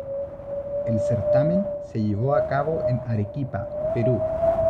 El certamen se llevó a cabo en Arequipa, Perú.